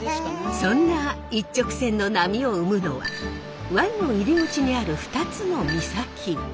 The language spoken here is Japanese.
そんな一直線の波を生むのは湾の入り口にある２つの岬。